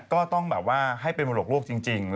ก็ต้องแบบว่าให้เป็นมรดกโลกจริง